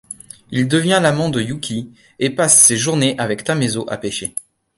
Il devient l'amant de Yuki et passe ses journées avec Tamezo à pêcher.